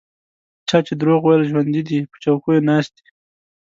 چا چې دروغ ویل ژوندي دي په چوکیو ناست دي.